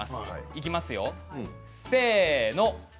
いきますよ、せーの。